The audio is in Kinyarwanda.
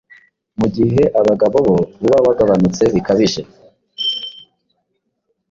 mu gihe abagabo bo uba wagabanutse bikabije